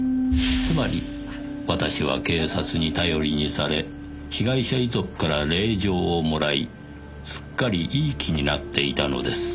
「つまり私は警察に頼りにされ被害者遺族から礼状をもらいすっかりいい気になっていたのです」